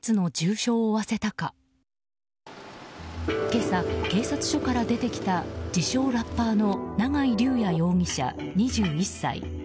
今朝、警察署から出てきた自称ラッパーの永井竜也容疑者、２１歳。